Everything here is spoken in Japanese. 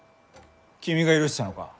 君が許したのか？